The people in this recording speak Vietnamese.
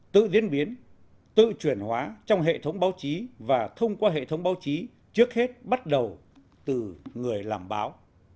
tự diễn biến tự chuyển hóa trong hệ thống báo chí và thông qua hệ thống báo chí trước hết bắt đầu từ người làm báo